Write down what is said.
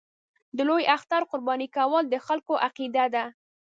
د لوی اختر قرباني کول د خلکو عقیده ده.